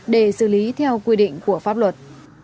để xử lý theo quy định của pháp luật